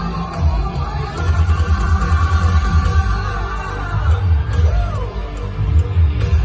โลกประตอบไม่ต้องปัญหาใครสั่ง